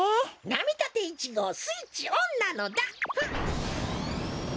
「なみたて１ごう」スイッチオンなのだ。